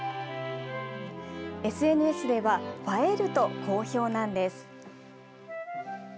ＳＮＳでは映えると好評なんです。